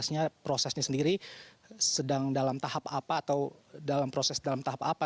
prosesnya prosesnya sendiri sedang dalam tahap apa atau dalam proses dalam tahap apa